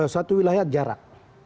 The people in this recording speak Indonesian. satu wilayah jarak